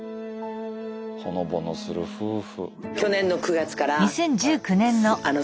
ほのぼのする夫婦。